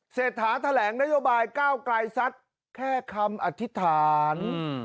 เศรษฐาแถลงนโยบายก้าวไกลซัดแค่คำอธิษฐาน